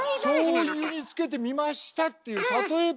「しょうゆにつけてみました」っていう例え話。